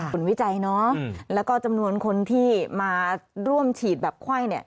ผลวิจัยเนอะและก็จำนวนคนที่มาร่วมฉีดแบบไขว้